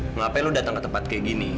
ngapain lu datang ke tempat kayak gini